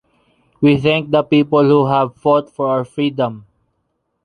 We thank the people who have fought for our freedom.